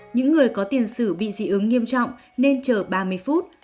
những người có tiền sử bị dị ứng nghiêm trọng nên chờ ba mươi phút